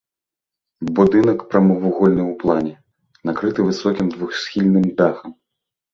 Будынак прамавугольны ў плане, накрыты высокім двухсхільным дахам.